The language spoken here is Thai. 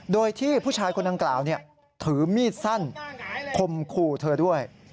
โดยที่ผู้ชายคนดังกล่าวถือมีดสั้นคมขู่เธอด้วย